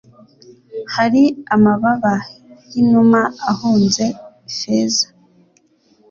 hari amababa y'inuma ahunze feza